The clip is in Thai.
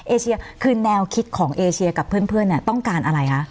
เอเชียคือแนวคิดของเอเชียกับเพื่อนเนี่ยต้องการอะไรคะ